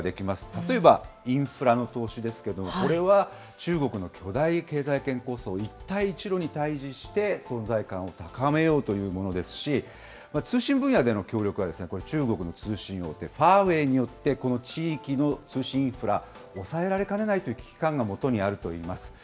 例えばインフラの投資ですけども、これは、中国の巨大経済圏構想、一帯一路に対じして存在感を高めようというものですし、通信分野での協力は、これ、中国の通信大手、ファーウェイによって、この地域の通信インフラ、抑えられかねないという危機感がもとにあるといいます。